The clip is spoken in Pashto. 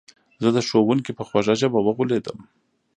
زه د ښوونکي په خوږه ژبه وغولېدم.